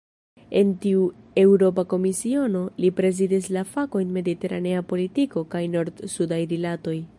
En tiu Eŭropa Komisiono, li prezidis la fakojn "mediteranea politiko kaj nord-sudaj rilatoj".